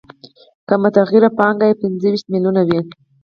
که متغیره پانګه یې پنځه ویشت میلیونه وي